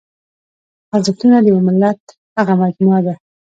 ارزښتونه د یوه ملت هغه مجموعه ده.